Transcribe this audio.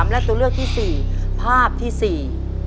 และตัวเลือกที่๔ภาพที่๔